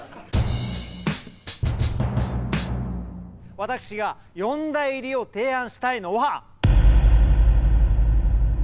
私が四大入りを提案したいのは。